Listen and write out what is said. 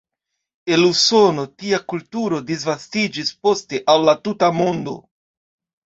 El Usono, tia kulturo disvastiĝis poste al la tuta mondo.